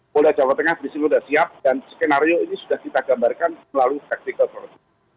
polda jawa tengah disini sudah siap dan skenario ini sudah kita gambarkan melalui practical project